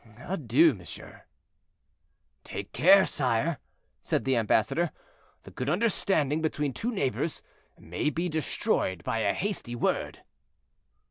Adieu, monsieur." "Take care, sire," said the ambassador; "the good understanding between two neighbors may be destroyed by a hasty word."